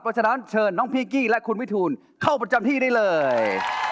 เพราะฉะนั้นเชิญน้องพิงกี้และคุณวิทูลเข้าประจำที่ได้เลย